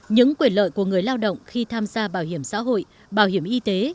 những quyền lợi của người lao động khi tham gia bảo hiểm xã hội bảo hiểm y tế